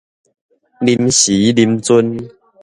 臨時臨陣